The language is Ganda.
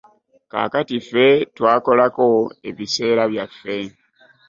Kaakati ffe twakolako ebiseera byaffe.